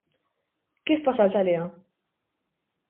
Kif wasalt għaliha?